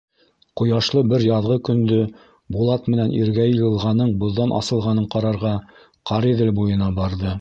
Ҡояшлы бер яҙғы көндө Булат менән Иргәйел йылғаның боҙҙан асылғанын ҡарарға Ҡариҙел буйына барҙы.